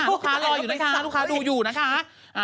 ลูกค้ารออยอยู่ด้วยค่ะลูกค้าดูอยู่นะคะ